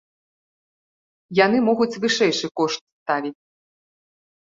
Яны могуць вышэйшы кошт ставіць.